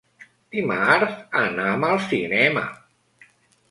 Dimarts anam al cinema.